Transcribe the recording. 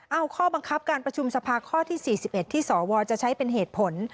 เอาข้อบังคับการประชุมสภาข้อที่๔๑ที่สวจะใช้เป็นเหตุผล